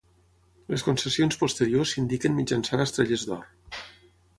Les concessions posteriors s'indiquen mitjançant estrelles d'or.